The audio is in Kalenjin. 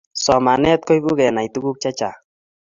Somanet koipu kenai tukuk Che Chang